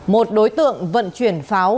một đối tượng vận chuyển pháo